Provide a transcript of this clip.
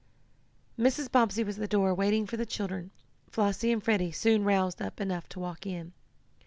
Mrs. Bobbsey was at the door waiting for the children Flossie and Freddie soon roused up enough to walk in.